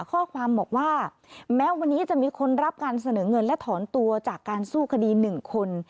ข้อความบอกว่าแม้วันนี้จะมีคนรับการเสนอเงินและถอนตัวจากการสู้คดี๑คน